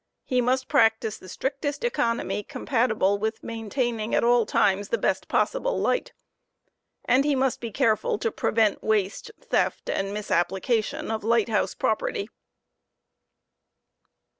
He must practice the strictest economy compatible with maintaining at all times the best possible light; and he must be careful to prevent waste, theft, or misapplication of light house property.